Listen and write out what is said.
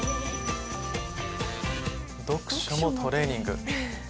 「読書もトレーニング」。